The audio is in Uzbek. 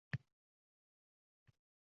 Besh botmonli yer arig‘i deb atalgan.